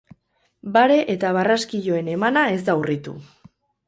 Bare eta barraskiloen emana ez da urritu.